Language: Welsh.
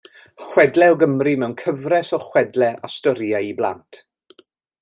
Chwedlau o Gymru, mewn cyfres o chwedlau a storïau i blant.